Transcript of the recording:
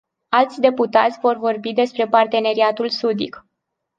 Alți deputați vor vorbi despre parteneriatul sudic.